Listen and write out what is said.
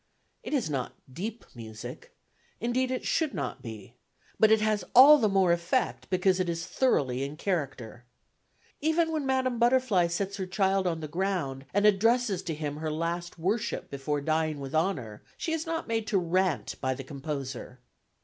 It is not deep music indeed it should not be but it has all the more effect because it is thoroughly in character. Even when Madame Butterfly sets her child on the ground and addresses to him her last worship before dying with honour she is not made to rant by the composer.